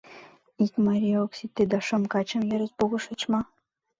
— Ик марий ок сите, да шым качым йырет погышыч мо?